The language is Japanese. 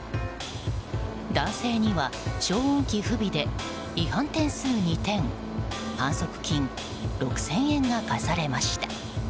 男性には消音器不備で違反点数２点反則金６０００円が科されました。